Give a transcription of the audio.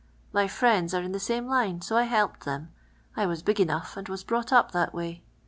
My friends are in the same liur, hi» 1 helped th« m : I was big enough, and was brought up that way.